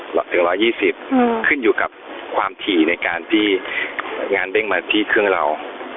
หลักถึง๑๒๐ขึ้นอยู่กับความถี่ในการที่งานเด้งมาที่เครื่องเรา